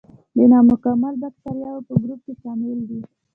د نامکمل باکتریاوو په ګروپ کې شامل دي.